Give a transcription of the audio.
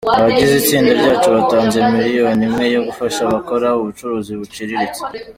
Abagize Itsinda Ryacu batanze milyoni Imwe yo gufasha abakora ubucuruzi buciriritse